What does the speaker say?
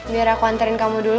biar aku anterin kamu dulu